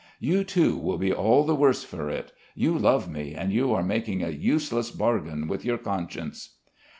You too will be all the worse for it. You love me, and you are making a useless bargain with your conscience."